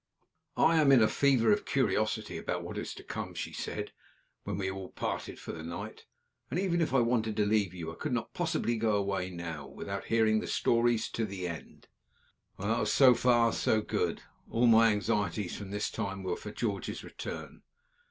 "I am in a fever of curiosity about what is to come," she said, when we all parted for the night; "and, even if I wanted to leave you, I could not possibly go away now, without hearing the stories to the end." So far, so good. All my anxieties from this time were for George's return.